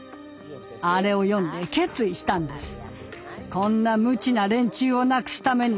あれを読んで決意したんです。